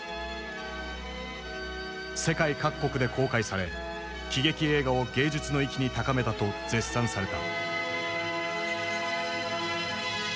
世界各国で公開され喜劇映画を芸術の域に高めたと絶賛された。